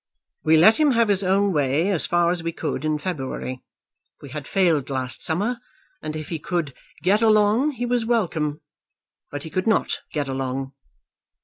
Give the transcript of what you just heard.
We let him have his own way as far as we could in February. We had failed last summer, and if he could get along he was welcome. But he could not get along."